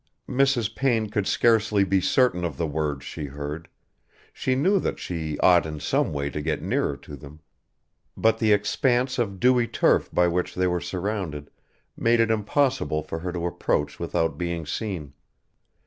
Mrs. Payne could scarcely be certain of the words she heard: she knew that she ought in some way to get nearer to them, but the expanse of dewy turf by which they were surrounded made it impossible for her to approach without being seen.